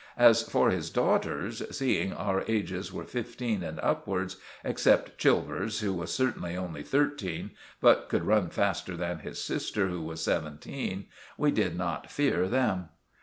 As for his daughters, seeing our ages were fifteen and upwards, except Chilvers, who was certainly only thirteen, but could run faster than his sister, who was seventeen, we did not fear them.